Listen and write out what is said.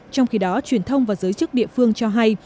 trong khi đó truyền thông và giới chức địa phương cho hay